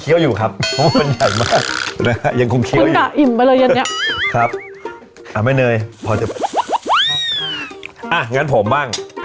อร่อยจนลืมพี่เอิญกันเลยนะคะ